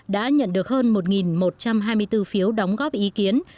đã nhận được hơn một một trăm hai mươi bốn phiếu đóng góp ý kiến